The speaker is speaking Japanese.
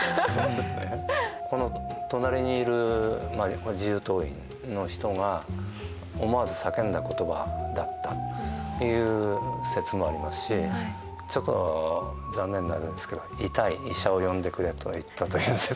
この隣にいる自由党員の人が思わず叫んだ言葉だったという説もありますしちょっと残念なんですけど「痛い！医者を呼んでくれ」と言ったという説も残っています。